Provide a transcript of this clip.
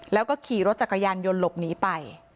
แล้วก็ขี่รถจักรยานยนต์หลบหนีไป